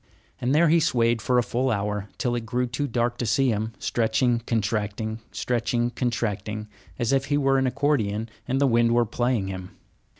And there he swayed for a full hour, till it grew too dark to see him, stretching, contracting, stretching, contracting, as if he were an accordion and the wind were playing him.